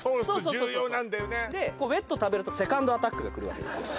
そうそうそうでウェット食べるとセカンドアタックがくるわけです